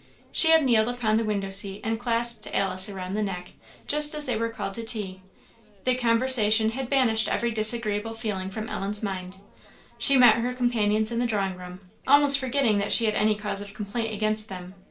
She had kneeled upon the window seat and clasped Alice round the neck, just as they were called to tea. The conversation had banished every disagreeable feeling from Ellen's mind. She met her companions in the drawing room, almost forgetting that she had any cause of complaint against them.